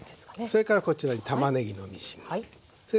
それからこちらにたまねぎのみじん切り。